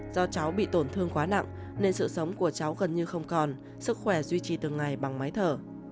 do cháu bị tổn thương quá nặng nên sự sống của cháu gần như không còn sức khỏe duy trì từng ngày bằng máy thở